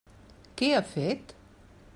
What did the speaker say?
Què ha fet?